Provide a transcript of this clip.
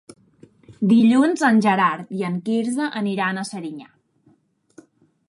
Dilluns en Gerard i en Quirze aniran a Serinyà.